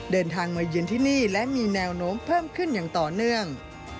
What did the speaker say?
เดินทางมาเยือนที่นี่และมีแนวโน้มเพิ่มขึ้นอย่างต่อเนื่อง